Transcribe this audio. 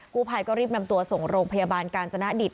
ผู้ภัยก็รีบนำตัวส่งโรงพยาบาลกาญจนดิต